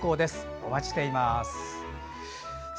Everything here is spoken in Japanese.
お待ちしております。